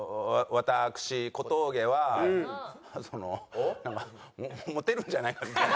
私小峠はそのモテるんじゃないかみたいな。